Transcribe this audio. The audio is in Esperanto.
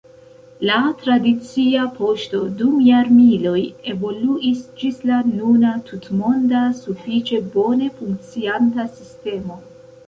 La tradicia poŝto dum jarmiloj evoluis ĝis la nuna tutmonda, sufiĉe bone funkcianta sistemo.